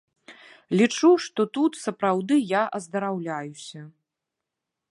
Лічу, што тут сапраўды я аздараўляюся.